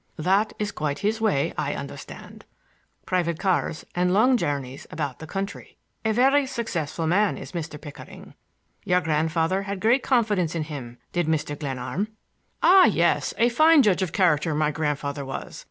"That is quite his way, I understand,—private cars and long journeys about the country. A very successful man is Mr. Pickering. Your grandfather had great confidence in him, did Mr. Glenarm." "Ah, yes! A fine judge of character my grandfather was!